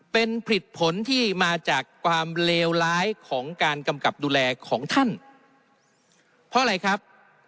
เป็นผลิตผลที่มาจากความเลวร้ายของการกำกับดูแลของท่านเพราะอะไรครับ